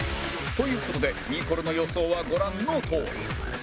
という事でニコルの予想はご覧のとおり